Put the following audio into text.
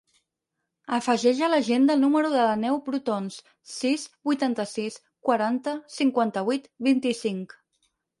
Afegeix a l'agenda el número de l'Aneu Brotons: sis, vuitanta-sis, quaranta, cinquanta-vuit, vint-i-cinc.